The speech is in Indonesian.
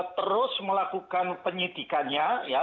terus melakukan penyidikannya ya